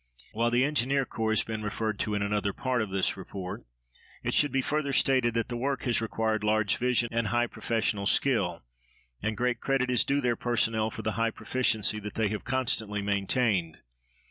While the Engineer Corps has been referred to in another part of this report, it should be further stated that the work has required large vision and high professional skill, and great credit is due their personnel for the high proficiency that they have constantly maintained.